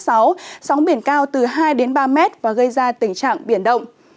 sóng biển cao từ hai đến ba mét và gây ra tình trạng biển động